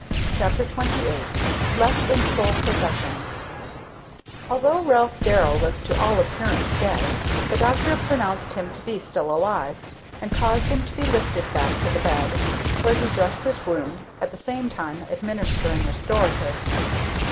CHAPTER XXVIII LEFT IN SOLE POSSESSION Although Ralph Darrell was to all appearance dead, the doctor pronounced him to be still alive, and caused him to be lifted back to the bed, where he dressed his wound, at the same time administering restoratives.